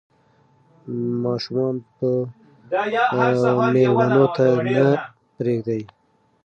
ماشومان به مېلمنو ته نه پرېږدي.